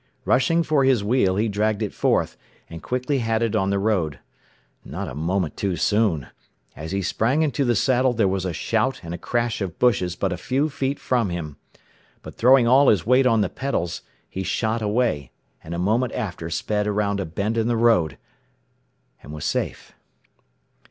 Rushing for his wheel, he dragged it forth, and quickly had it on the road. Not a moment too soon. As he sprang into the saddle there was a shout and a crash of bushes but a few feet from him. But throwing all his weight on the pedals, he shot away, and a moment after sped about a bend in the road and was safe.